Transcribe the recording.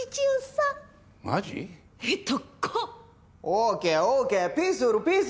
オーケーオーケー！